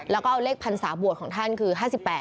แล้วก็เอาเลขพรรษาบวชของท่านคือ๕๘